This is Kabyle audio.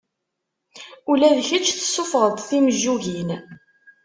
Ula d kečč tessufɣeḍ-d timejjugin.